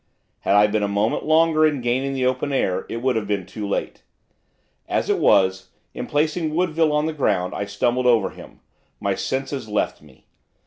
Had I been a moment longer in gaining the open air, it would have been too late. As it was, in placing Woodville on the ground, I stumbled over him. My senses left me.